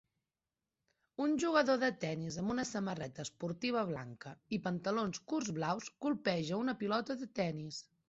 Un jugador de tenis amb una samarreta esportiva blanca i pantalons curts blaus colpeja una pilota de tenis.